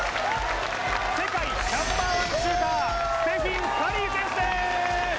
世界Ｎｏ．１シューターステフィン・カリー選手です